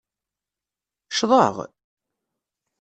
Ccḍeɣ?